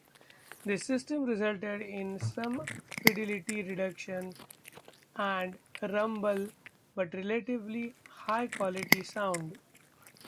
This system resulted in some fidelity reduction and rumble, but relatively high quality sound.